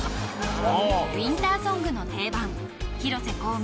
ウインターソングの定番広瀬香美